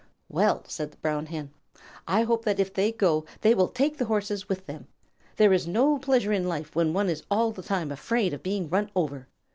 "Well," said the Brown Hen, "I hope that if they go they will take the Horses with them. There is no pleasure in life when one is all the time afraid of being run over.